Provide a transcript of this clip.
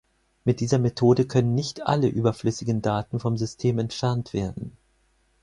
Mit dieser Methode können nicht alle überflüssigen Daten vom System entfernt werden.